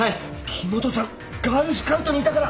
木元さんガールスカウトにいたから。